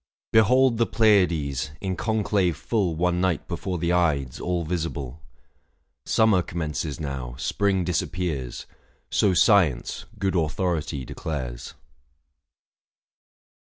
Behold the Pleiades, in conclave full One night before the Ides, all visible. Summer commences now, spring disappears, So science, good authority ! declares.